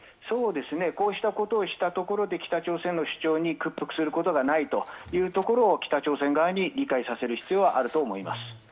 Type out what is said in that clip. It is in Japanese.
こうしたことをすることで北朝鮮の主張に屈服することないと北朝鮮側に理解させる必要はあると思います。